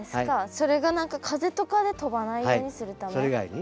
それが何か風とかで飛ばないようにするため。